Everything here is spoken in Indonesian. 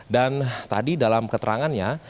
dan tadi dalam keterangannya